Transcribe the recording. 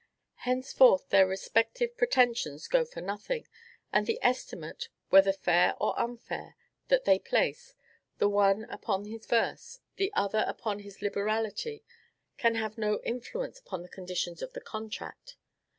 Henceforth their respective pretensions go for nothing; and the estimate, whether fair or unfair, that they place, the one upon his verse, the other upon his liberality, can have no influence upon the conditions of the contract.